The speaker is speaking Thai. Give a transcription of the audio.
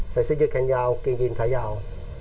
ใส่เส้นเย็ดแขนยาวเกร็งกินขายาว